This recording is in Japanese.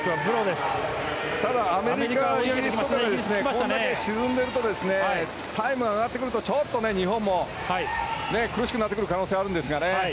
ただアメリカがこれだけ沈んでいるとタイムが上がってくるとちょっと日本も苦しくなってくる可能性はあるんですがね。